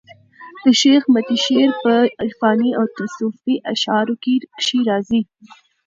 د شېخ متي شعر په عرفاني او تصوفي اشعارو کښي راځي.